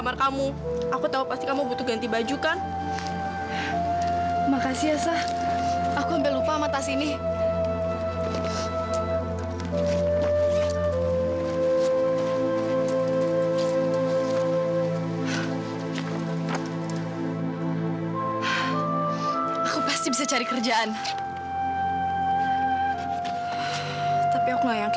sampai jumpa di video selanjutnya